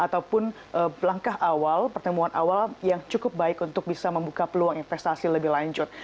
ataupun langkah awal pertemuan awal yang cukup baik untuk bisa membuka peluang investasi lebih lanjut